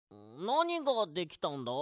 なにができたんだ？